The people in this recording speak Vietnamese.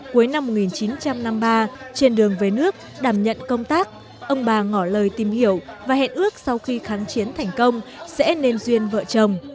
cuối năm một nghìn chín trăm năm mươi ba trên đường về nước đảm nhận công tác ông bà ngỏ lời tìm hiểu và hẹn ước sau khi kháng chiến thành công sẽ nên duyên vợ chồng